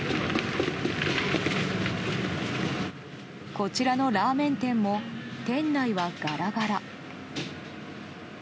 こちらのラーメン店も店内はガラガラ。